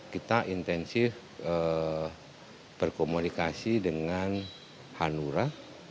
kita intensif berkomunikasi dengan hanura